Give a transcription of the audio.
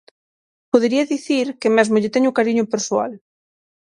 Podería dicir que mesmo lle teño cariño persoal.